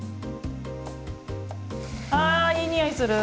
あいい匂いする！